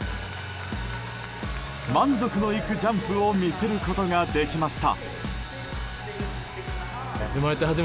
満足のいくジャンプを見せることができました。